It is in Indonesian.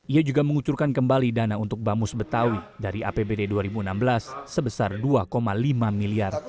ia juga mengucurkan kembali dana untuk bamus betawi dari apbd dua ribu enam belas sebesar rp dua lima miliar